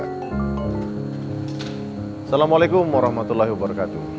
assalamualaikum warahmatullahi wabarakatuh